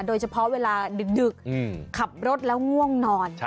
โดยเฉพาะเวลาดึกขับรถแล้วง่วงนอน